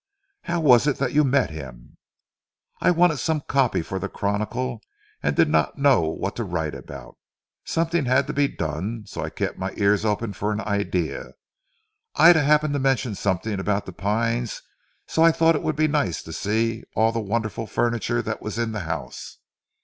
"How was it you met him?" "I wanted some copy for the Chronicle and did not know what to write about. Something had to be done, so I kept my ears open for an idea. Ida happened to mention something about 'The Pines,' so I thought it would be nice to see all the wonderful furniture that was in the house.